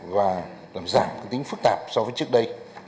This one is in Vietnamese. và làm giảm tính phức tạp so với trước đây